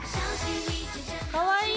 かわいい。